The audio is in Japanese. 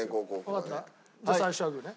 わかった？じゃあ最初はグーね。